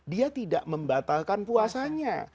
dia tidak membatalkan puasanya